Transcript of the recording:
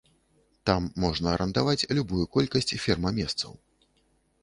Там можна арандаваць любую колькасць ферма-месцаў.